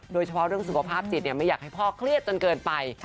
โดยเฉพาะเรื่องสุขภาพจิตไม่อยากให้พ่อเครียดจนเกินไป